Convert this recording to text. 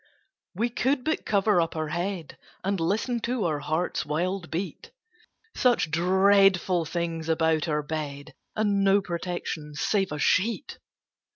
We could but cover up our head, And listen to our heart's wild beat Such dreadful things about our bed, And no protection save a sheet!